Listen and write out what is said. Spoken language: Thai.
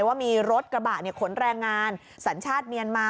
ว่ามีรถกระบะขนแรงงานสัญชาติเมียนมา